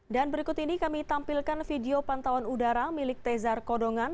dan berikut ini kami tampilkan video pantauan udara milik tezar kodongan